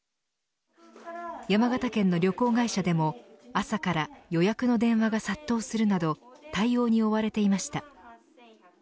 山形県の旅行会社でも朝から予約の電話が殺到するなど対応に追われていました。